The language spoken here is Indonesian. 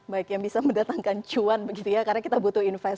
baik yang bisa mendatangkan cuan begitu ya karena kita butuh investasi